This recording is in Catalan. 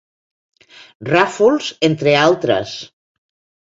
Ràfols, entre altres.